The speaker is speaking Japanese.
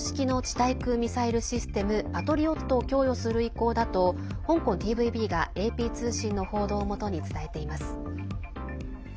対空ミサイルシステム「パトリオット」を供与する意向だと香港ＴＶＢがＡＰ通信の報道をもとに伝えています。